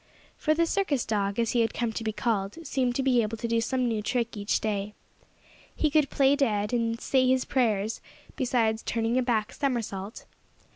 For the circus dog, as he had come to be called, seemed to be able to do some new trick each day. He could "play dead," and "say his prayers," besides turning a back somersault.